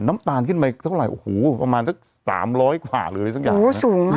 น้ำตาลขึ้นมาอันตรายโอ้โหประมาณสัก๓๐๐กว่าหรืออะไรสักอย่าง